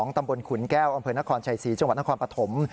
ตำบลขุนแก้วอำเภอนครชัยศรีจังหวัดนครปฐม